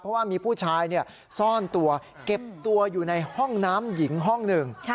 เพราะว่ามีผู้ชายซ่อนตัวเก็บตัวอยู่ในห้องน้ำหญิงห้องหนึ่ง